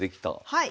はい。